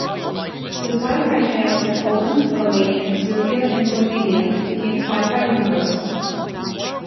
The Sci Fi Channels in Poland, Romania, Serbia and Slovenia, became Sci Fi Universal.